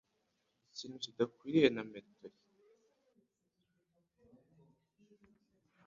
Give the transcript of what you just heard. Ikintu kidakwiye na moteri.